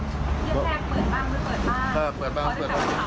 เรื่องแรกเปิดบ้างหรือเปิดบ้าง